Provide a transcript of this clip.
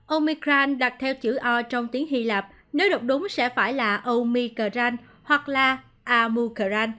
omicron đặt theo chữ o trong tiếng hy lạp nếu đọc đúng sẽ phải là omicron hoặc là amucron